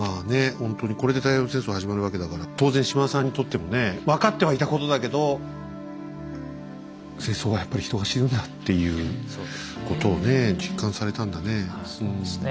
ほんとにこれで太平洋戦争始まるわけだから当然島田さんにとってもね分かってはいたことだけど戦争はやっぱり人が死ぬんだっていうことをね実感されたんだね。